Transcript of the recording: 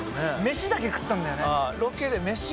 飯だけ食ったんだよね。